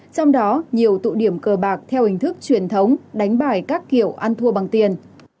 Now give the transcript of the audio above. trong đó nhiều tụ điểm cờ bạc theo hình thức truyền thống đánh bài các kiểu ăn thua bằng tiền